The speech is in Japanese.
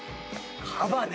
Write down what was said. カバね！